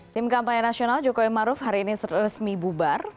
tim kampanye nasional jokowi maruf hari ini resmi bubar